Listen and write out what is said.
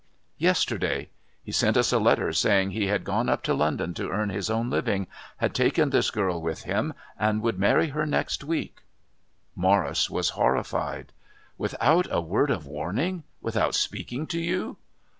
"Yesterday. He sent us a letter saying that he had gone up to London to earn his own living, had taken this girl with him, and would marry her next week." Morris was horrified. "Without a word of warning? Without speaking to you?